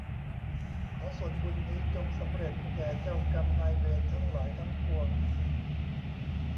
ขอส่วนบุญนี้จงสำเร็จแก่เจ้ากรรมนายเวรทั้งหลายทั้งปวง